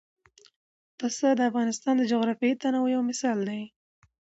پسه د افغانستان د جغرافیوي تنوع مثال دی.